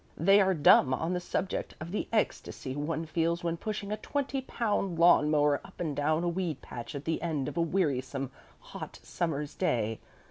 They are dumb on the subject of the ecstasy one feels when pushing a twenty pound lawn mower up and down a weed patch at the end of a wearisome hot summer's day.